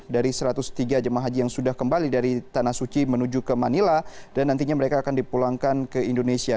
dari satu ratus tiga jemaah haji yang sudah kembali dari tanah suci menuju ke manila dan nantinya mereka akan dipulangkan ke indonesia